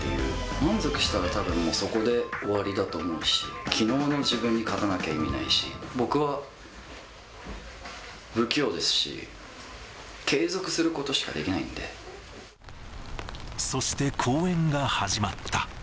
満足したら、たぶんもうそこで終わりだと思うし、きのうの自分に勝たなきゃ意味ないし、僕は不器用ですし、継続すそして公演が始まった。